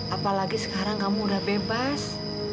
apalagi sekarang kamu udah bebas